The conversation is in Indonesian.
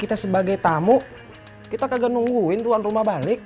kita sebagai tamu kita kagak nungguin tuan rumah balik